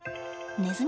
ネズミ？